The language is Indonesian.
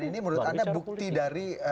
dan ini menurut anda bukti dari